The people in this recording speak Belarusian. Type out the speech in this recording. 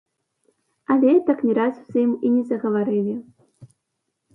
Але так ні разу з ім і не загаварылі.